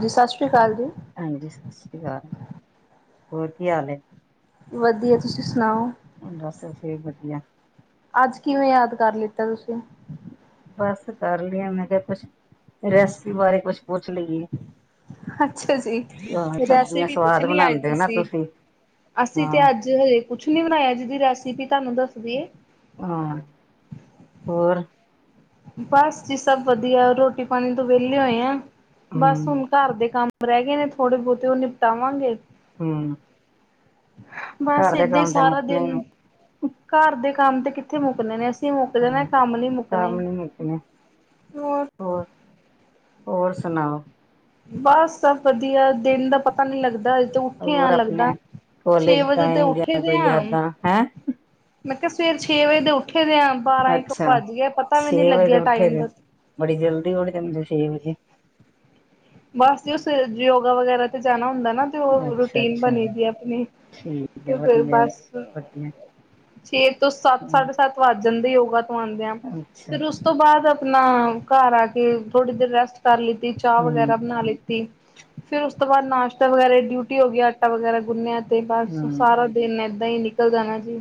ਜੀ, ਸਤਿ ਸ਼੍ਰੀ ਅਕਾਲ ਜੀ। ਹਾਂਜੀ, ਸਤਿ ਸ਼੍ਰੀ ਅਕਾਲ। ਹੋਰ ਕੀ ਹਾਲ ਏ? ਵਧੀਆ, ਤੁਸੀਂ ਸੁਣਾਓ? ਬੱਸ ਅਸੀਂ ਵੀ ਵਧੀਆ। ਅੱਜ ਕਿਵੇਂ ਯਾਦ ਕਰ ਲਿੱਤਾ ਤੁਸੀਂ? ਬਸ ਕਰ ਲਿਆ ਆ ਮੈਂ ਕਿਹਾ ਕੁਛ, ਰੈਸਪੀ ਬਾਰੇ ਕੁਛ ਪੁੱਛ ਲਈਏ? ਅੱਛਾ ਜੀ, ਹਾਂ ਸਬਜ਼ੀਆਂ ਰੈਸਿਪੀ ਸਵਾਦ ਪੁੱਛਨੀ ਅਜ ਬਣਾਉਂਦੇ ਹੋ ਨਾ ਤੁਸੀਂ। ਅਸੀਂ ਤੇ ਹਾਂ ਅੱਜ ਹਜੇ ਕੁਛ ਨੀ ਬਣਾਇਆ, ਜਿਹਦੀ ਰੈਸਪੀ ਤੁਹਾਨੂੰ ਦੱਸਦੀਏ। ਹਾਂ, ਹੋਰ? ਬਸ ਜੀ ਸਭ ਵਧੀਆ, ਰੋਟੀ ਪਾਣੀ ਤੋਂ ਵਿਹਲੇ ਹੋਏ ਆ ਬਸ ਹਮ ਹੁਣ। ਘਰ ਦੇ ਕੰਮ ਰਹਿ ਗਏ ਨੇ ਥੋੜੇ ਬਹੁਤੇ, ਉਹ ਨਿਪਟਾਵਾਂਗੇ। ਹਮ। ਬਸ ਘਰ ਦੇ ਏਦਾਂ ਹੀ ਕੰਮ ਤੇ ਸਾਰਾ ਮੁੱਕਣੇ ਦਿਨ, ਨੀ ਘਰ ਦੇ ਕੰਮ ਤੇ ਕਿੱਥੇ ਮੁੱਕਨੇ ਅ ਸੀਂ ਮੁੱਕ ਜਾਣਾ, ਹਾਂ ਕੰਮ ਨੀ ਮੁੱਕਣੇ, ਕੰਮ ਨੀ ਮੁੱਕਣੇ ਹੋਰ। ਹੋਰ, ਹੋਰ ਸੁਣਾਓ? ਬਸ, ਸਭ ਵਧੀਆ। ਦਿਨ ਦਾ ਪਤਾ ਨੀ ਲੱਗਦਾ ਤੇ ਉੱਠੇ ਹੋਰ ਆ ਆਪਣੇ ਲੱਗਦਾ, ਛੇ ਕੋਲੇਜ ਵਜੇ ਤੇ ਟਾਈਮ ਉੱਠੇ ਦੀਆਂ ਦੇ ਕੋਈ ਆ। ਯਾਦਾਂ ਹੈਂ ਮੈਂ ਕਿਹਾ, ਸਵੇਰ ਛੇ ਵਜੇ ਦੇ ਉੱਠੇ ਦੇ ਆ, ਬਾਰਾਂ ਇੱਕ ਅੱਛਾ ਵੱਜ ਗਿਆ। ਪਤਾ ਵੀ ਨੀ ਛੇ ਵਜੇ ਲੱਗਿਆ ਉੱਠੇ ਟਾਈਮ ਦੇ ਦਾ। ਬੜੀ ਜਲਦੀ ਉਠ ਜਾਂਦੇ, ਛੇ ਵਜੇ। ਬਸ ਜੀ ਸਵੇਰੇ ਯੋਗਾ ਵਗੈਰਾ ਤੇ ਜਾਣਾ ਹੁੰਦਾ ਨਾ। ਤੇ ਉਹ ਅੱਛਾ ਰੂਟੀਨ ਅੱਛਾ ਬਣੀ ਦੀ ਆਪਣੀ, ਠੀਕ ਹੈ ਤੇ ਫਿਰ ਵਧੀਆ ਬਸ। ਵਧੀਆ ਛੇ ਤੋਂ ਸੱਤ ਹਾਂ -ਸਾਢੇ ਸੱਤ ਵੱਜ ਜਾਂਦੇ ਯੋਗਾ ਤੋਂ ਆਂਦਿਆ। ਅੱਛਾ ਫਿਰ ਉਸ ਅੱਛਾ ਤੋਂ ਬਾਦ ਨਾ, ਘਰ ਆ ਕੇ ਥੋੜੀ ਦੇਰ ਰੈਸਟ ਕਰ ਲਿੱਤੀ, ਚਾਹ ਵਗੈਰਾ, ਹਮ ਨਾ ਲਿੱਤੀ, ਫਿਰ ਉਸ ਤੋਂ ਬਾਅਦ ਨਾਸ਼ਤਾ ਵਗੈਰਾ ਡਿਊਟੀ ਹੋ ਗਈ, ਆਟਾ ਵਗੈਰਾ ਗੁੰਨਿਆ। ਤੇ ਬਸ, ਹਮ ਸਾਰਾ ਦਿਨ ਏਦਾਂ ਹੀ ਨਿਕਲ ਜਾਣਾ ਜੀ।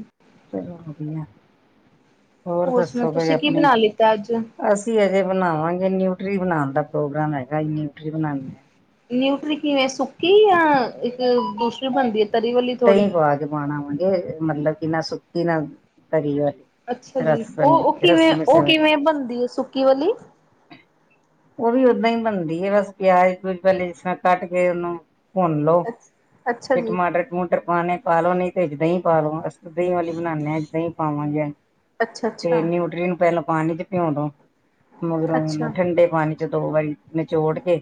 ਚਲੋ ਵਧੀਆ। ਹੋਰ ਸੁਣਾਓ ਦੱਸੋਗੇ ਬਈ ਤੁਸੀਂ ਕੀ ਆਪਣੀ, ਬਣਾ ਲਿੱਤਾ ਅੱਜ? ਰੋਟੀ ਅਜੇ ਬਣਾਵਾਂਗੇ, ਨਿਊਟਰੀ ਬਣਾਣ ਦਾ ਪ੍ਰੋਗਰਾਮ ਹੈਗਾ, ਨਿਊਟਰੀ ਬਣਾਨੀ ਮੈਂ। ਨਿਊਟਰੀ ਕਿਵੇਂ ਸੁੱਕੀ, ਜਾਂ ਇੱਕ ਦੂਸਰੀ ਬਣਦੀ ਐ ਦਹੀਂ ਪਾ ਕੇ ਪਾਣਾ ਆਵਾਂਗੇ ਮਤਲਬ ਕਿ ਨਾ ਸੁੱਕੀ, ਨਾ ਤਰੀ ਵਾਲੀ। ਅੱਛਾ ਜੀ, ਰਸ ਬਣੀ ਉਹ-ਉਹ ਰਸ ਕਿਵੇਂ, ਮਿਸ ਉਹ ਕਿਵੇਂ ਬਣਦੀ ਐ ਸੁੱਕੀ ਵਾਲੀ? ਉਹ ਵੀ ਓਦਾਂ ਹੀ ਬਣਦੀ ਏ ਬਸ ਪਿਆਜ -ਪਿਊਜ ਪਹਿਲੇ ਜਿਸ ਤਰ੍ਹਾਂ ਕੱਟ ਕੇ, ਉਹਨੂੰ ਭੁੰਨ ਲੋਓ, ਅੱਛਾ ਤੇ ਜੀ ਟਮਾ ਟਰ ਪਾਣੇ ਪਾ ਲੋੋ, ਨਹੀਂ ਤੇ ਦਹੀਂ ਪਾ ਲੋ, ਅਸੀਂ ਤੇ ਦਹੀਂ ਵਾਲੀ ਬਣਾਨੇ ਆ, ਦਹੀ ਪਾਵਾਂਗੇ। ਅੱਛਾ ਅੱਛਾ ਤੇ ਨਿਊਟਰੀ ਨੂੰ ਪਹਿਲਾਂ ਪਾਣੀ ਚ ਪਿਓ ਦੋ ਮਗਰੋਂ ਓਨੂੰ ਅੱਛਾ ਠੰਡੇ ਪਾਣੀ ਦੋ ਵਾਰੀ ਨਿਚੋੜ ਕੇ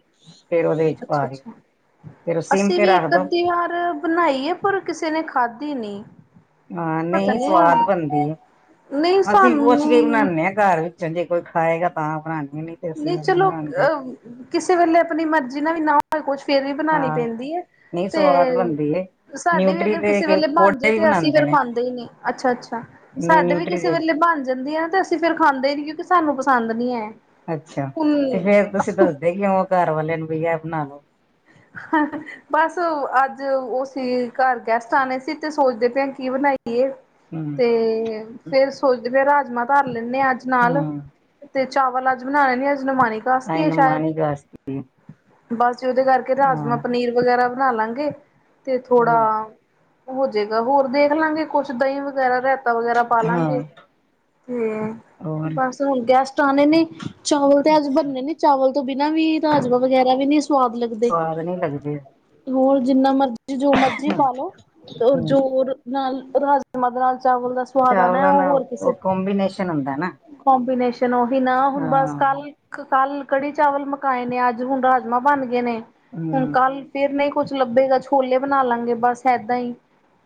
ਫੇਰ ਓਦੇ ਵਿੱਚ ਅੱਛਾ ਪਾ ਦਿਓ, ਅੱਛਾ। ਫੇਰ ਓ ਸਿੰਮ ਅਸੀਂ ਤੇ ਵੀ ਇੱਕ ਰੱਖਦੋ। ਅੱਧੀ ਵਾਰ ਬਣਾਈ ਏ ਪਰ ਕਿਸੇ ਨੇ ਖਾਦੀ ਨੀ। ਹਾਂ, ਨ‌ਈ ਸਵਾਦ ਬਣਦੀ ਐ। ਨਹੀਂ ਅਸੀਂ ਪੁੱਛ ਕੇ ਈ ਸਾਨੂੰ ਬਣਾਨੇ ਆ। ਘਰ ਵਿੱਚੋਂ ਜੇ ਕੋਈ ਖਾਏਗਾ ਤਾਂ ਬਣਾਉਣੇ ਆ ਨ‌ਈ ਨ‌ਈ ਚਲੋ ਅਹ ਕਿਸੇ ਵੇਲੇ ਆਪਣੀ ਮਰਜ਼ੀ ਨਾਲ ਵੀ ਨਾ ਹੋਵੇ ਕੁਛ ਫੇਰ ਵੀ ਬਣਾਣੀ ਪੈਂਦੀ ਏ। ਨ‌ਈ ਸਵਾਦ ਬਣਦੀ ਏ। ਸਾਡੇ ਵੀ ਅਗਰ ਕਿਸੇ ਵੇਲੇ ਬਣ ਜੇ ਤੇ ਅਸੀਂ ਫੇਰ ਨੇ ਖਾਂਦੇ ਈ ਨੀ। ਅੱਛਾ-ਅੱਛਾ, ਨਹੀਂ ਸਾਡੇ ਵੀ ਨਿਊਟਰੀ ਕਿਸੇ ਦੇ ਵੇਲੇ ਬਣਜ ਡੰਡੀਆਂ ਤੇ ਅਸੀਂ ਫੇਰ ਖਾਂਦੇ ਈ ਨੀ ਕਿਉਂਕਿ ਸਾਨੂੰ ਪਸੰਦ ਨੀ ਐ। ਅੱਛਾ ਤੇ ਫੇਰ ਤੁਸੀਂ ਦੱਸਦੇ ਕਿਉੰ ਓ ਘਰਵਾਲੇ ਨੂੰ ਵੀ ਐਹ ਬਣਾ ਲੋ। [inaudible] ਬਸ ਅੱਜ ਓ ਸੀ ਘਰ ਗੈਸਟ ਆਣੇ ਸੀ ਤੇ ਸੋਚਦੇ ਪਏ ਆ ਕੀ ਬਣਾਈਏ? ਹਮ ਤੇ ਫੇਰ ਸੋਚਦੇ ਆ ਰਾਜਮਾ ਧਰ ਲੈਨੇ ਆ ਅੱਜ ਨਾਲ। ਹਮ ਤੇ ਚਾਵਲ ਅੱਜ ਬਣਾਣੇ ਨੀ ਅੱਜ ਨਮਾਨਿਕਸਤੀ ਤਾਂਹੀ ਐ ਨਾ ਸ਼ੈਦ। ਮਨ ਹੀ ਕਰਦਾ ਬਸ ਜੀ ਓਹਦੇ ਕਰਕੇ ਹਾਂ ਰਾਜਮਾਂਹ, ਪਨੀਰ ਵਗੈਰਾ ਬਣਾ ਲਾਂਗੇ ਤੇ ਥੋੜਾ ਹੋਰ ਹੋ ਜਏਗਾ, ਹੋਰ ਦੇਖ ਲਾਂਗੇ ਕੁਛ ਦਹੀਂ ਵਗੈਰਾ ਰਾਇਤਾ ਵਗੈਰਾ ਪਾ ਹਾਂ ਲਾਂਗੇ। ਹੂੰ, ਹੋਰ ਬਸ ਹੁਣ ਗੈਸਟ ਆਣੇ ਨੇ। ਚਾਵਲ ਤੇ ਅੱਜ ਅੱਛਾ ਬਣਨੇ ਨੀ ਚਾਵਲ ਤੋਂ ਬਿਨਾਂ ਵੀ ਰਾਜਮਾ ਵਗੈਰਾ ਵੀ ਨੀ ਸਵਾਦ ਲੱਗਦੇ। ਸਵਾਦ ਨੀ ਲੱਗਦੇ। ਹੋਰ ਜਿੰਨਾ ਮਰਜ਼ੀ ਜੋ ਮਰਜ਼ੀ ਪਾਲੋ ਔਰ ਹੂੰ ਜੋਰ ਨਾਲ ਰਾਜਮਾ ਦੇ ਨਾਲ ਚਾਵਲ ਦਾ ਸਵ ਚਾਵਲ ਨਾਲ ਓ ਕੋਬੀਨੇਸ਼ਨ ਹੁੰਦਾ ਨਾ। ਕੋਬੀਨੇਸ਼ਨ‌ ਓਹੀ ਨਾ ਹੁਣ ਬਸ ਹਾਂ ਕੱਲ, ਕੱਲ ਕੜੀ ਚਾਵਲ ਮਕਾਏ ਨੇ ਅੱਜ, ਹੁਣ ਰਾਜਮਾ ਬਣ ਗਏ ਨੇ। ਹੁਣ ਹੂੰ ਕੱਲ ਫੇਰ ਨੀ ਕੁਛ ਲੱਭੇਗਾ। ਛੋਲੇ ਬਣਾ ਲਾਂਗੇ ਬਸ ਏਦਾਂ ਈ।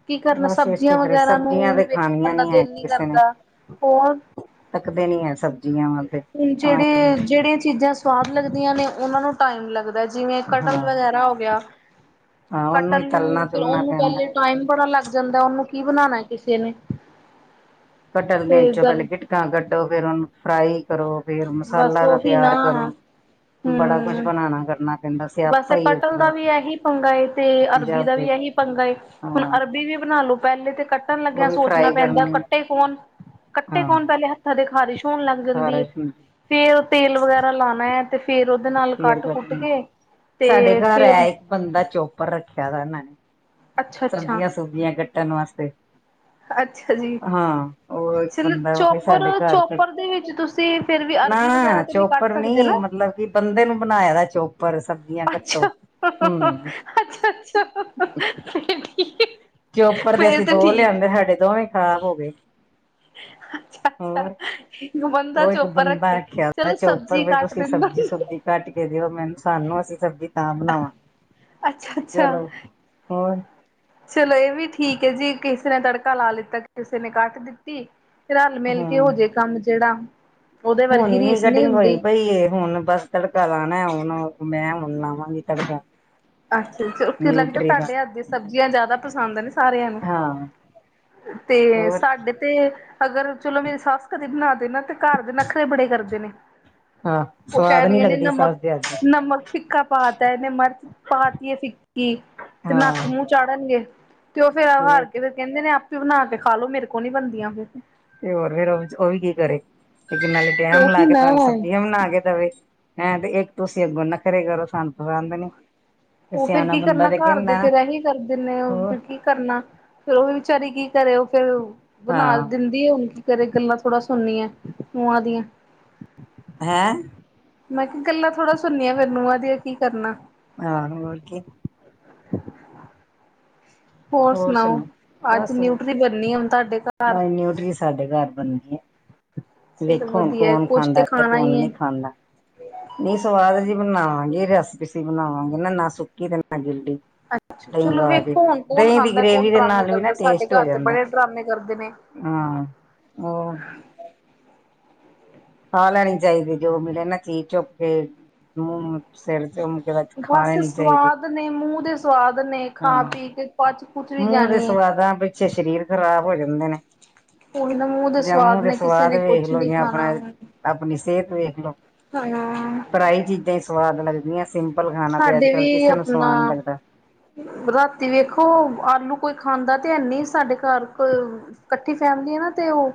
ਕੀ ਕਰਨਾ ਬਸ ਇਸੇ ਸਬਜ਼ੀਆਂ ਫਿਰ ਵਗੈਰਾ ਨੂੰ ਸਬਜ਼ੀਆਂ ਤੇ ਖਾਣੀਆਂ ਵੇਖਣ ਦਾ ਹੈ ਦਿਲ ਨੀ ਕਿਸੇ ਨੇ ਕਰਦਾ। ਹੋਰ, ਤੱਕਦੇ ਨੀ ਹੈ ਸਬਜ਼ੀਆਂ ਵੱਲ ਤੇ ਹੁਣ ਤਾਂ ਜਿਹੜੇ ਜਿਹੜੀਆਂ ਚੀਜ਼ਾਂ ਸ ਸੁਆਦ ਲੱਗਦੀਆਂ ਨੇ ਓਨਾਂ ਨੂੰ ਟਾਈਮ ਲੱਗਦਾ ਜਿਵੇਂ ਕਟਲ, ਹਾਂ ਵਗੈਰਾ ਹੋ ਗਿਆ। ਹਾਂ ਉਹਨੂੰ ਕਟਲ ਹੀ ਤਲਣਾ ਨੂੰ ਫਿਰ ਤੁਲਣਾ ਓਨੂੰ ਪੈਂਦਾ ਪਹਿਲੇ ਟਾਈਮ ਬੜਾ ਲੱਗ ਜਾਂਦਾ। ਓਨੂੰ ਕੀ ਬਣਾਨਾ ਏ ਕਿਸੇ ਨੇ। ਕੱਟਲ ਮੇ ਤੇ ਚੋਂ ਪਹਿਲੇ ਗੱਲ ਗਿਟਕਾਂ ਕੱਢੋ ਫੇਰ ਓਹਨੂੰ ਫਰਾਈ ਕਰੋ ਫੇਰ ਬਸ ਮਸਾਲਾ ਦਾ ਉਹੀ ਤਿਆਰ ਨਾ ਕਰੋ ਬੜਾ ਕੁਛ ਹਮ ਬਣਾਨਾ ਕਰਨਾ। ਪੈਂਦਾ ਬਸ ਸਿਆਪਾ ਏ ਕਟਲ ਦਾ ਵੀ ਹੀ ਏਹੀ ਪੰਗਾ ਏ ਤੇ ਅਰਬੀ ਦਾ ਜਾਦੇ ਵੀ ਏਹੀ ਪੰਗਾ ਏ। ਹੁਣ ਹਾਂ ਅਰਬੀ ਵੀ ਬਣਾਲੋ ਪਹਿਲੇ ਤੇ ਕੱਟ ਕੱਟਣ ਉਹ ਲੱਗਿਆ ਵੀ ਸੋਚਣਾ ਫਰਾਈ ਪੈਂਦਾ ਕਰਨੀ ਕੱਟੇ ਕੌਣ ਕੱਟੇ ਹਾਂ ਕੌਣ ਪਹਿਲੇ ਹੱਥਾਂ ਤੇ ਖ਼ਾਰਿਸ਼ ਹੋਣ ਲੱਗ ਜਾਂਦੀ ਏ ਖ਼ਾਰਸ਼ ਹੁੰਦੀ ਫੇਰ ਤੇਲ ਵਗੈਰਾ ਲਾਣਾ ਏ ਤੇ ਫੇਰ ਓਦੇ ਨਾਲ ਫੇਰ ਕੱਟ-ਕੁੱਟ ਕੱਟਣੀ ਕੇ। ਤੇ ਸਾਡੇ ਘਰ ਫੇਰ ਐ ਇੱਕ ਬੰਦਾ ਚੋਪਰ ਰੱਖਿਆ ਹੋਇਆ ਮੈਂ। ਅੱਛਾ ਅੱਛਾ ਸਬਜ਼ੀਆਂ ਸੂਬਜ਼ੀਆਂ ਕੱਟਣ ਵਾਸਤੇ। ਅੱਛਾ ਜੀ। ਹਾਂ। ਓ ਇੱਕ ਚਲ ਬੰਦਾ ਚੋਪਰ ਸਾਡੇ ਘਰ [unintelligible] ਚੋਪਰ ਦੇ ਵਿੱਚ ਤੁਸੀਂ ਫਿਰ ਵੀ ਨਾ ਅਰਬੀ ਵਗੈਰਾ ਤੇ ਨੀ ਕੱਟ ਚੋਪਰ ਸਕਦੇ ਨੀ ਨਾ। ਮਤਲਬ ਕਿ ਬੰਦੇ ਨੂੰ ਬਣਾਇਆ ਦਾ ਚੋਪਰ ਸਬਜ਼ੀਆਂ ਕੱਟੋ, ਹੂੰ। ਅੱਛਾ-ਅੱਛਾ। ਠੀ ਚੋਪਰ ਦੇ ਅਸੀਂ ਦੋ ਲਿਆਂਦੇ ਸਾਡੇ ਦੋਵੇ ਈ ਖਰਾਬ ਹੋ ਗਏ, ਅੱਛਾ ਅੱਛਾ ਹੋਰ ਇੱਕ ਬੰਦਾ ਉਹ ਇੱਕ ਚੋਪਰ ਬੰਦਾ ਰੱਖਿਆ ਹੁੰਦਾ, ਚਲੋ ਚੋਪਰ ਸਬਜ਼ੀ ਬਈ ਕੱਟ ਤੁਸੀਂ ਦਿੰਦਾ ਸਬਜ਼ੀ ਸੁਬਜੀ ਕੱਟ ਕੇ ਦਿਓ ਮੈਨੂੰ ਸਾਨੂੰ ਅਸੀਂ ਸਬਜ਼ੀ ਤਾਂ ਬਣਾਵਾ। ਅੱਛਾ ਅੱਛਾ। ਹੋਰ। ਚਲੋ ਏ ਵੀ ਠੀਕ ਐ ਜੀ ਕਿਸੇ ਨੇ ਤੜਕਾ ਲਾ ਲਿੱਤਾ, ਕਿਸੇ ਨੇ ਕੱਟ ਦਿੱਤੀ। ਰਲ ਮਿਲ ਕੇ ਹੋ ਹਮ ਜੇ ਕੰਮ ਜਿਹੜਾ। ਉਹਦੇ ਹੁਣ ਵਰਗੀ ਨੀ ਰੀਸ ਨਹੀਂ ਕਟਿੰਗ ਹੋਈ ਹੁੰਦੀ ਪਈ ਏ ਹੁਣ ਬਸ। ਤੜਕਾ ਲਾਨਾ ਏ ਹੋਣ, ਮੈ ਹੁਣ ਲਵਾਂਗੀ ਤੜਕਾ। ਅੱਛਾ ਅੱਛਾ, ਓ ਫਿਰ ਲੱਗਦਾ ਨਿਊਟਰੀ ਦਾ ਤੁਹਾਡੇ ਹੱਥ ਦੀਆਂ ਸਬਜ਼ੀਆਂ ਜ਼ਿਆਦਾ ਪਸੰਦ ਨੇ। ਸਾਰਿਆਂ ਨੂੰ, ਹਾਂ ਤੇ ਹੋਰ ਸਾਡੇ ਤੇ ਅਗਰ ਚਲੋ ਮੇਰੀ ਸੱਸ ਕਦੇ ਬਣਾ ਦੇ ਨਾ ਤੇ ਘਰ ਦੇ ਨਖਰੇ ਬੜੇ ਕਰਦੇ ਨੇ। ਹਾਂ ਉਹ ਸਵਾਦ ਨੀ ਕਹਿਣਗੇ ਨੇ ਲੱਗਦੀ ਨਮਕ ਸੱਸ ਦੇ ਹੱਥ ਦੀ ਨਮਕ ਫਿੱਕਾ ਪਾ ਤਾ ਏ ਇਹਨੇ, ਮਰਚ ਪਾ ਤੀ ਐ ਫਿੱਕੀ ਤੇ ਹਾਂ ਨੱਕ ਮੂੰਹ ਚਾੜਨਗੇ। ਤੇ ਉਹ ਫੇਰ ਹੋਰ ਹਾਰ ਕੇ ਫਿਰ ਕਹਿੰਦੇ ਨੇ ਆਪੇ ਬਣਾ ਕੇ ਖਾ ਲੋ, ਮੇਰੇ ਕੋਲ ਨੀ ਬਣਦੀਆਂ ਫਿਰ। ਤੇ ਹੋਰ ਫੇਰ ਉਹ ਉਹ ਵੀ ਕੀ ਕਰੇ, ਇੱਕ ਨਾਲੇ ਟੈਮ ਉਹੀ ਲਾ ਕੇ ਨਾ ਤੁਾਨੂੰ ਸਬਜ਼ੀਆਂ ਬਣਾ ਕੇ ਦੇਵੇ। ਹੈਂ ਤੇ ਇੱਕ ਤੁਸੀਂ ਅੱਗੋਂ ਨਖਰੇ ਕਰੋ ਸਾਨੂੰ ਪਸੰਦ ਨੀ। ਤੇ ਓ ਫੇਰ ਸਿਆਣਾ ਕੀ ਬੰਦਾ ਕਰਨਾ ਤੇ ਘਰ ਦੇ ਕਹਿੰਦਾ ਨਾ ਫੇਰ ਐਹੀ ਕਰਦੇ ਨੇ, ਓ ਹੋਰ ਫਿਰ ਕੀ ਕਰਨਾ, ਫਿਰ ਉਹ ਵੀ ਵਿਚਾਰੀ ਕੀ ਕਰੇ, ਓ ਫੇਰ ਬਣਾ ਹਾਂ ਦਿੰਦੀ ਏ, ਹੁਣ ਕੀ ਕਰੇ ਗੱਲਾਂ ਥੋੜਾ ਸੁਣਨੀਆਂ ਨੂੰਹਾਂ ਦੀਆਂ। ਹੈਂ? ਮੈਂ ਕਿਹਾ ਗੱਲਾਂ ਥੋੜਾ ਸੁਣਨੀਆਂ ਫੇਰ ਨੂੰਆ ਦੀਆਂ ਕੀ ਕਰਨਾ। ਹਾਂ, ਹੋਰ ਕੀ। ਹੋਰ ਸੁਣਾਓ, ਅੱਜ ਨਿਊਟਰੀ ਬਣਨੀ ਆ ਹੁਣ ਤੁਹਾਡੇ ਘਰ? ਅੱਜ ਨਿਊਟਰੀ ਸਾਡੇ ਘਰ ਬਣਣੀ ਆ। ਚਲੋ ਵੇਖੋ ਹੁਣ ਵਧੀਆ ਕੌਣ ਕੁਛ ਖਾਂਦਾ ਤੇ ਖਾਣਾ ਕੌਣ ਹੀ ਹੈ ਨਹੀਂ ਖਾਂਦਾ। ਨਹੀਂ ਸਵਾਦ ਜਹੀ ਬਣਾਵਾਂਗੇ, ਰਸ ਪੀਸੀ ਬਣਾਵਾਂਗੇ ਨਾ, ਨਾ ਸੁੱਕੀ ਤੇ ਨਾ ਗਿੱਲੀ। ਅੱਛਾ ਦਹੀਂ ਚਲੋ ਪਾ ਕੇ, ਵੇਖੋ ਹੁਣ ਕੌਣ ਦਹੀਂ ਦੀ ਖਾਂਦਾ ਕੌਣ ਗ੍ਰੇਵੀ ਦੇ ਡਰਾਮੇ ਨਾਲ ਵੀ ਕਰਦਾ ਸਾਡੇ ਟੇਸਟ ਹੋ ਘਰ ਤੇ ਜਾਂਦਾ। ਬੜੇ ਡਰਾਮੇ ਕਰਦੇ ਨੇ ਹਾਂ, ਹੋਰ। ਖਾ ਲੈਣੀ ਚਾਹੀਦੀ ਜੋ ਮਿਲੇ ਨਾ ਚੀਜ਼ ਚੁਪ ਕੇ ਮੂ ਸਿਰ ਚੁੰਮ ਕੇ ਬਸ ਖਾ ਲੈਣੀ ਚਾਹੀਦੀ। ਕੇ ਨਹੀਂ ਮੂੰਹ ਦੇ ਸਵਾਦ ਨੇ, ਖਾ ਹਾਂ। ਪੀ ਕੇ, ਪੱਚ ਮੂੰਹ ਦੇ ਸਵਾਦਾਂ ਪਿੱਛੇ ਸਰੀਰ ਖ਼ਰਾਬ ਹੋ ਜਾਂਦੇ ਨੇ। ਉਹੀ ਨਾ ਮੂੰਹ ਦੇ ਜਾਂ ਮੂੰਹ ਸਵਾਦ ਦੇ ਨੇ ਕਿਸੇ ਸਵਾਦ ਨੇ ਵੇਖ ਕੁਛ ਲੋ ਨੀ ਜਾਂ ਖਾਣਾ ਆਪਣਾ ਆਪਣੀ ਸਿਹਤ ਵੇਖਲੋ। [unintelligible] ਤੇ ਸਵਾਦ ਲੱਗਦੀਆਂ, ਸਿੰਪਲ ਖਾਣਾ ਤੇ ਅੱਜ ਸਾਡੇ ਕੱਲ ਵੀ ਕਿਸੇ ਨੂੰ ਸਵਾਦ ਨੀ ਆਪਣਾ ਲੱਗਦਾ। ਰਾਤੀ ਵੇਖੋ ਆਲੂ ਕੋਈ ਖਾਂਦਾ ਤੇ ਹੈਨੀ ਸਾਡੇ ਘਰ ਕੋ ਇਕੱਠੀ ਫੈਮਲੀ ਏ ਨਾ ਤੇ ਉਹ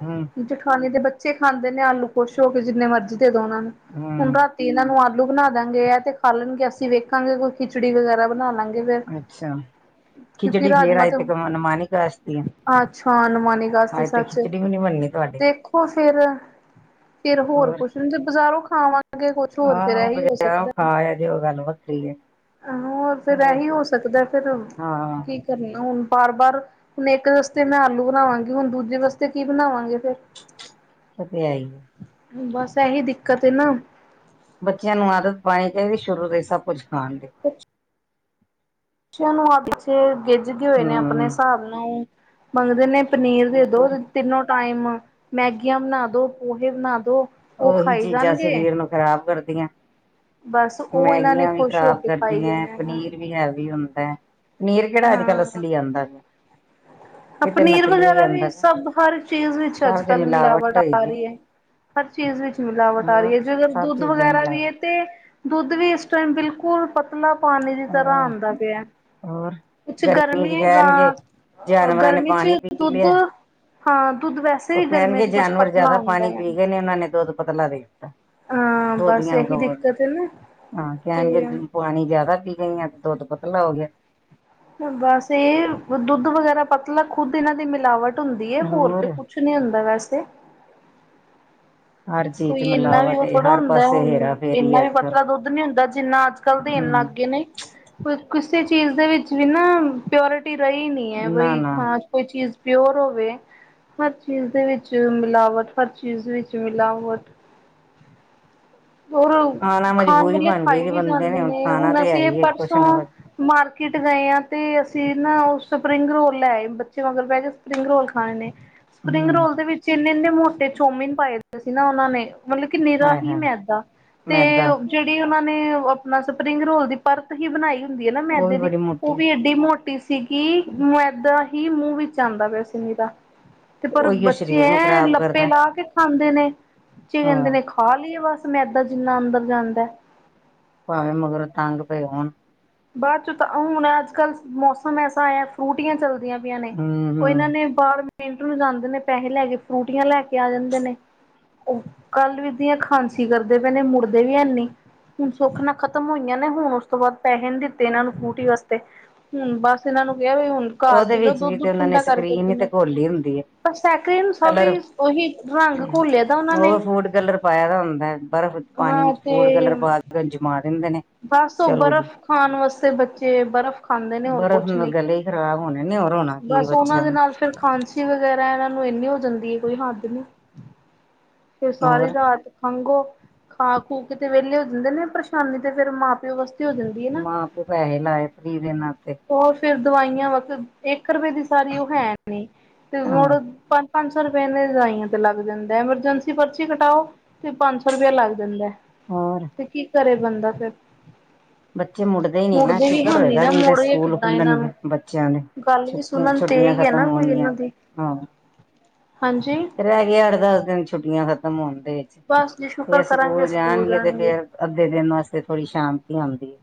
ਜਠਾਣੀ ਦੇ ਬੱਚੇ ਖਾਂਦੇ ਨੇ ਆਲੂ ਖੁਸ਼ ਹੋ ਕੇ ਜਿੰਨੇ ਮਰਜ਼ੀ ਦੇ ਓਨਾਂ ਨੂੰ, ਹੁਣ ਰਾ ਤੇ ਇਹਨਾਂ ਨੂੰ ਆਲੂ ਬਣਾ ਦਾਂਗੇ ਆ ਤੇ ਖਾ ਲੈਣਗੇ, ਅਸੀਂ ਵੇਖਾਂਗੇ ਕੋਈ ਖਿਚੜੀ ਵਗੈਰਾ ਬਣਾ ਲਾ ਗੇ ਫੇਰ। ਅੱਛਾ, ਖਿਚੜੀ ਫੇਰ ਆਏ ਤੇ ਅਨੁਮਾਨੀ ਗਾਸਤੀ ਆ। ਅੱਛਾ ਅਨੁਮਾਨੀ ਗਾਸਤੀ ਸੱਚ, ਤੁਹਾਡੇ ਦੇਖੋ ਫੇਰ ਫੇਰ ਹੋਰ ਕੁਛ ਨੀ ਤੇ ਬਜ਼ਾਰੋਂ ਖਾਵਾਂਗੇ ਕੁਛ ਹੋਰ ਫਿਰ ਆਹ ਐਹੀ ਹੋ ਬਜ਼ਾਰੋਂ ਸਕਦਾ। ਖਾ ਆਏ ਤੇ ਉਹ ਗੱਲ ਵੱਖਰੀ ਏ। ਆਹੋ ਹੋਰ ਫਿਰ ਐਹੀ ਹੋ ਸਕਦਾ ਫੇਰ ਹਾਂ ਕੀ ਹੁਣ ਬਾਰ-ਬਾਰ ਹੁਣ ਇੱਕ ਵਾਸਤੇ ਮੈਂ ਆਲੂ ਬਣਾਵਾਂਗੀ, ਹੁਣ ਦੂਜੇ ਵਾਸਤੇ ਕੀ ਬਣਾਵਾਂਗੇ ਫੇਰ। ਓ ਤੇ ਹੈ ਈ ਏ। ਬਸ ਐਹੀ ਦਿੱਕਤ ਏ ਨਾ ਬੱਚਿਆਂ ਨੂੰ ਆਦਤ ਪਾਣੀ ਚਾਈਦੀ ਸ਼ੁਰੂ ਤੋਂ ਹੀ ਸਭ ਕੁੱਝ ਖਾਣ ਦੀ। ਅੱਛਾ ਬੱਚਿਆਂ ਨੂੰ ਅਜ ਗਿੱਝ ਗਏ ਹੋਏ ਨੇ ਆਪਣੇ ਹਮ ਸਾਬ ਨਾਲ ਮੰਗਦੇ ਨੇ। ਪਨੀਰ ਦੇ ਦੋ ਹੋਰ ਤਿੰਨੋ ਟਾਈਮ, ਮੈਗੀਆਂ ਬਣਾ ਦੋ, ਪੋਹੇ ਬਣਾ ਦੋ। ਉਹ ਓਹੀ ਖਾਈ ਚੀਜ਼ਾਂ ਜਾਣਗੇ ਸਰੀਰ ਨੂੰ ਖ਼ਰਾਬ ਕਰਦੀਆਂ। ਬਸ ਉਹ ਇਹਨਾਂ ਨੇ ਮੈਗੀਆਂ ਵੀ ਖੁਸ਼ ਹੋ ਖਰਾਬ ਕੇ ਖਾਈ ਕਰਦੀਆਂ, ਜਾਣੇ ਪਨੀਰ ਵੀ ਹੈਵੀ ਹੁੰਦਾ। ਪਨੀਰ ਕੇੜਾ ਅੱਜ ਕੱਲ੍ਹ ਹਾਂ ਅਸਲੀ ਆਂਦਾ। ਏ ਤੇ ਪਨੀਰ ਨਕਲੀ ਈ ਵਗੈਰਾ ਵੀ ਆਂਦਾ, ਸਭ ਹਰ ਚੀਜ਼ ਵਿੱਚ ਅੱਜ ਸਭ 'ਚ ਕੱਲ੍ਹ ਮਿਲਾਵਟ ਹੋਈ ਆ ਦੀ। ਰਹੀ ਹੈ। ਹਰ ਚੀਜ਼ ਵਿੱਚ ਮਿਲਾਵਟ ਆ ਹੋਰ ਰੀ ਏ ਜੇਕਰ ਸਭ ਦੁੱਧ ਚੀਜ਼ਾਂ ਹੀ ਵਗੈਰਾ ਵੀ ਏ ਮਿਲਾਵਟ ਤੇ ਦੁੱਧ ਵੀ ਇਸ ਟਾਈਮ ਬਿਲਕੁਲ ਪਤਲਾ ਪਾਣੀ ਦੀ ਤਰ੍ਹਾਂ ਆਂਦਾ ਪਿਆ। ਹੋਰ ਕੁੱਛ ਗਰਮੀ ਚ ਏ ਗਾ ਕਹਿਣਗੇ ਜਾਨਵਰਾਂ ਨੇ ਗਰਮੀ 'ਚ ਪਾਣੀ ਦੁੱਧ ਹਾਂ ਦੁੱਧ ਵੈਸੇ ਓ ਵੀ ਗਰਮੀਆਂ ਕੈਣਗੇ ਚ ਕੁਛ ਜਾਨਵਰ ਪਤਲਾ ਜਾਦਾ ਆਉਂਦਾ ਪਾਣੀ ਹੈ। ਪੀ ਗੇ ਨੇ, ਓਨਾਂ ਨੇ ਦੁੱਧ ਪਤਲਾ ਦੇ ਹਾਂ ਬਸ ਦੋਧੀਆਂ ਨੂੰ ਇਹੀ ਦੋਰ ਦਿੱਕਤ ਹੈ ਨਾ ਹਾਂ ਕੈਣਗੇ ਤੇ ਪਾਣੀ ਜਾਦਾ ਪੀ ਗਈਆਂ ਤੇ ਦੁੱਧ ਪਤਲਾ ਹੋ ਗਿਆ। ਬਸ ਏ ਦੁੱਧ ਵਗੈਰਾ ਪਤਲਾ ਖੁੱਦ ਏਨਾਂ ਦੀ ਮਿਲਾਵਟ ਹੁੰਦੀ ਏ। ਹੋਰ ਤੇ ਕੁਛ ਕੁਛ ਨੀ ਹੁੰਦਾ ਵੈਸੇ ਹਰ ਚੀਜ਼ ਕੋਈ ਚ ਏਨਾ ਵੀ ਮਿਲਾਵਟ ਓ ਏ ਥੋੜਾ ਹਰ ਹੁੰਦਾ ਪਾਸੇ ਹੁਣ ਹੇਰਾ ਫੇਰੀ ਏਨਾ ਏ ਵੀ ਅੱਜ ਕੱਲ ਪਤਲਾ ਦੁੱਧ ਨੀ ਹੁੰਦਾ। ਜਿੰਨਾ ਅੱਜ ਕੱਲ ਦੇਣ ਲੱਗ ਹੂੰ ਗੇ ਨੇ। ਕਿਸੇ ਚੀਜ਼ ਦੇ ਵਿੱਚ ਵੀ ਨਾ ਪਿਓਰਟੀ ਰ‌ਈ ਨੀ ਐ ਨਾ ਬਈ ਨਾ ਕੋਈ ਚੀਜ਼ ਪਿਓਰ ਹੋਵੇ। ਹਰ ਚੀਜ਼ ਦੇ ਵਿੱਚ ਮਿਲਾਵਟ-ਹਰ ਚੀਜ਼ ਵਿੱਚ ਮਿਲਾਵਟ। ਹੋਰ ਖਾਣਾ ਖਾਣ ਮਜਬੂਰੀ ਵੇਲੇ ਬਣ ਗਈ ਖਾਈ ਦੀ ਵੀ ਬੰਦੇ ਜਾਂਦੇ ਨੇ, ਖਾਣਾ ਹੁਣ ਤੇ ਹੈ ਅਸੀਂ ਏ ਹੀ ਕੁਛ ਪਰਸੋਂ ਨਾ ਕੁਛ ਮਾਰਕੀਟ ਗਏ ਆਂ ਤੇ ਅਸੀਂ ਨਾ ਓ ਸਪਰਿੰਗ ਰੋਲ ਲੈ ਏ, ਬੱਚੇ ਮਗਰ ਪੈ ਗੇ। ਸਪਰਿੰਗ ਰੋਲ ਖਾਣੇ ਨੇ। ਸਪਰਿੰਗ ਹੂੰ ਰੋਲ ਦੇ ਵਿੱਚ ਏਨੇ-ਏਨੇ ਮੋਟੇ ਚੋਮਿਨ ਪਾਏ ਦੇ ਸੀ ਨਾ ਓਨਾਂ ਨੇ, ਮਲਬ ਕੇ ਨਿਰਾ ਹਾਏ ਹੀ ਹਾਏ ਮੈਦ- ਤੇ ਮੈਦਾ ਜੇੜੀ ਓਨਾਂ ਨੇ ਆਪਣਾ ਸਪਰਿੰਗ ਰੋਲ ਦੀ ਪਰਤ ਹੀ ਬਣਾਈ ਹੁੰਦੀ ਏ ਨਾ ਉਹ ਮੈਦੇ ਵੀ ਦੀ, ਬੜੀ ਓ ਮੋਟੀ ਵੀ ਏਡੀ ਮੋਟੀ ਸੀਗੀ ਮ ਮੇਦਾਂ ਹੀ ਮੂੰਹ ਵਿੱਚ ਆਂਦਾ ਪਿਆ ਸੀ ਨਿਰਾ, ਤੇ ਪਰ ਉਹੀਓ ਬੱਚੇ ਸਰੀਰ ਨੂੰ ਐਂ ਖ਼ਰਾਬ ਲੱਪੇ ਕਰਦਾ ਲਾ ਕੇ ਖਾਂਦੇ ਨੇ। ਬੱਚੇ ਕੈਂਦੇ ਹਾਂ ਨੇ ਖਾ ਲੀਏ ਬਸ ਮੈਦਾਂ ਜਿੰਨਾ ਅੰਦਰ ਜਾਂਦਾ। ਭਾਵੇਂ ਮਗਰੋਂ ਤੰਗ ਪਏ ਹੋਣ। ਬਾਦ 'ਚ ਤਾਂ ਹੁਣ ਅੱਜ ਕੱਲ੍ਹ ਮੌਸਮ ਐਸਾ ਆਇਆ ਫਰੂਟੀਆਂ ਚਲਦੀਆਂ ਪਈਆਂ ਨੇ। ਹੂੰ ਓ ਏਨਾਂ ਹੂੰ ਨੇ ਪਾਰਕ ਨੂੰ ਜਾਂਦੇ ਨੇ ਪੈਹੇ ਲੈ ਕੇ ਫਰੂਟੀਆਂ ਲੈ ਕੇ ਆ ਜਾਂਦੇ ਨੇ। ਓ ਕੱਲ ਵੀ ਦੀਆਂ ਖਾਂਸੀ ਕਰਦੇ ਪਏ ਨੇ, ਮੁੜਦੇ ਵੀ ਹੈਨੀ। ਹੁਣ ਸੁੱਖ ਨਾਲ ਖਤਮ ਹੋਈਆਂ ਨੇ, ਹੁਣ ਉਸ ਤੋਂ ਬਾਦ ਹਿਣ ਦਿੱਤੇ ਏਨਾਂ ਨੂੰ ਫਰੂਟੀ ਵਸਤੇ, ਹੁਣ ਬਸ ਏਨਾਂ ਨੂੰ ਕਿਆ ਵੀ ਹੁਣ ਘਰ ਓਦੇ ਪੀ ਲਓ ਵਿੱਚ ਵੀ ਦੁੱਧ ਤੇ ਓਨਾ ਨੇ ਠੰਡਾ ਕਰਕੇ ਸਕਰੀਨ ਈ ਤੇ ਪੀਣਾ। ਘੋਲੀ ਹੁੰਦੀ ਏ। ਪਰ ਸੈਕਰੀ ਨੂੰ ਸਭ ਕਲਰ, ਉਹੀ ਰੰਗ ਘੋਲਿਆ ਦਾ ਉਹਨਾਂ ਓ ਨੇ। ਫੂਡ ਕਲਰ ਪਾਇਆ ਦਾ ਹੁੰਦਾ, ਬਰਫ਼ ਪਾਣੀ ਹਾਂ ਵਿੱਚ ਫੂਡ ਤੇ ਕਲਰ ਪਾ ਕੇ ਤੇ ਓਨੂੰ ਜਮਾ ਦਿੰਦੇ ਨੇ। ਬਸ ਓ ਚਲੋ ਜੀ ਬਰਫ਼ ਖਾਣ ਵਸਤੇ ਬੱਚੇ ਬਰਫ਼ ਖਾਂਦੇ ਨੇ, ਹੋਰ ਕੁਛ ਨੀ। ਅਰ ਹੋਣੇ ਨੇ, ਹੋਰ ਹੋਣਾ ਕੀ ਏ ਬੱਚਿਆਂ ਨੂੰ। ਫਿਰ ਖਾਂਸੀ ਵਗੈਰਾ ਏਨਾਂ ਨੂੰ ਏਨੀ ਹੋ ਜਾਂਦੀ ਏ ਕੋਈ ਹੱਦ ਨ੍ਹੀ। ਫੇਰ ਸਾਰੀ ਹੋਰ ਰਾਤ ਖੰਘੋ, ਖਾ-ਖੂ ਕੇ ਤੇ ਵੇਲੇ ਹੋ ਜਾਂਦੇ ਨੇ। ਪਰਸ਼ਾਨੀ ਤੇ ਫੇਰ ਮਾਂ-ਪਿਓ ਵਾਸ ਮਾਂ-ਪਿਓ ਪੈਸੇ ਲਾਏ ਫਰੀ ਦੇ ਨਾ ਤੇ। ਉਹ ਫਿਰ ਦਵਾਈਆਂ ਵਕ, ਇੱਕ ਰੁਪਏ ਦੀ ਸਾਰੀ ਉਹ ਹੈ ਨੀ। ਤੇ ਹਾਂ ਮੁੜੋ, ਪੰਜ-ਪੰਜ ਸੌ ਰੁਪਏ ਦੇ ਦਜਾਈਆਂ ਤੇ ਲੱਗ ਜਾਂਦਾ ਐਮਰਜੈਂਸੀ ਪਰਚੀ ਕਟਾਓ। ਤੇ ਪੰਜ ਸੌ ਰੁਪਇਆ ਲੱਗ ਜਾਂਦਾ ਐ। ਹੋਰ ਕੀ ਕਰੇ ਬੰਦਾ ਫਿਰ। ਬੱਚੇ ਮੁੜਦੇ ਹੀ ਨੀ ਨਾ ਮੁੜਦੇ ਵੀ ਸ਼ੂਗਰ ਹੈਨੀ ਹੋਏਗਾ ਨਾ ਇਹਨਾਂ ਦੇ ਮੋੜੀਏ ਸਕੂਲ ਕਿੱਦਾਂ ਇਹਨਾਂ ਖੁੱਲਣਗੇ ਨੂੰ। ਬੱਚਿਆਂ ਦੇ। ਗੱਲ ਛੁ ਵੀ ਸੁਣਨ ਤੇ ਛੁੱਟੀਆਂ ਹੀ ਹੈ ਖਤਮ ਨਾ ਕੋਈ ਹੋਣਗੀਆਂ, ਇਹਨਾਂ ਦੀ ਹਾਂ। ਹਾਂਜੀ? ਰਹਿਗੇ ਅੱਠ-ਦਸ ਦਿਨ ਛੁੱਟੀਆਂ ਖ਼ਤਮ ਹੋਣ ਦੇ ਵਿੱਚ, ਬਸ ਜੀ ਸ਼ੁਕਰ ਫਿਰ ਕਰਾਂਗੇ ਸਕੂਲ ਜਾਣਗੇ ਤੇ ਫੇਰ ਅੱਧੇ ਦਿਨ ਵਾਸਤੇ ਥੋੜ੍ਹੀ ਸ਼ਾਂਤੀ ਆਉਂਦੀ।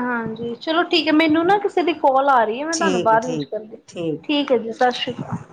ਹਾਂਜੀ ਚਲੋ ਠੀਕ ਏ ਮੈਨੂੰ ਨਾ ਹੈ। ਕਿਸੇ ਦੀ ਕੋਲ ਆ ਰਹੀ ਐ ਮੈਂ ਤੁਹਾਨੂੰ ਠੀਕ ਹੈ ਬਾਅਦ ਵਿੱਚ ਠੀਕ ਕਰੂਗੀ, ਠੀਕ ਹੈ ਜੀ। ਸਾਸ਼ਰੀ ਕਾਲ।